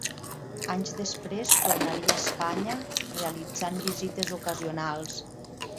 Anys després tornaria a Espanya, realitzant visites ocasionals.